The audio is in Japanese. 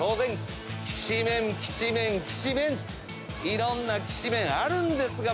いろんなきしめんあるんですが。